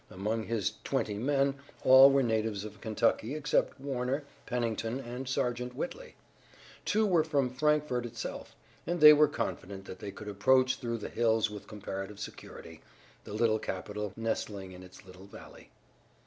Among his twenty men all were natives of Kentucky except Warner, Pennington and Sergeant Whitley. Two were from Frankfort itself, and they were confident that they could approach through the hills with comparative security, the little capital nestling in its little valley.